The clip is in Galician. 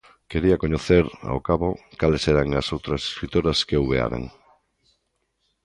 Quería coñecer, ao cabo, cales eran as outras escritoras que ouvearan.